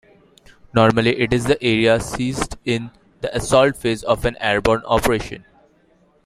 Normally it is the area seized in the assault phase of an airborne operation.